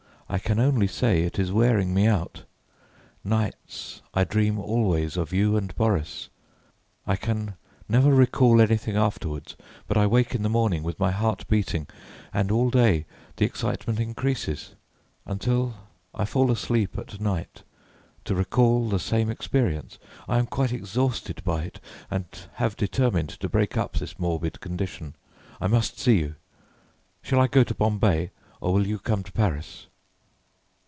I can only say it is wearing me out. Nights I dream always of you and Boris. I can never recall anything afterward, but I wake in the morning with my heart beating, and all day the excitement increases until I fall asleep at night to recall the same experience. I am quite exhausted by it, and have determined to break up this morbid condition. I must see you. Shall I go to Bombay, or will you come to Paris?"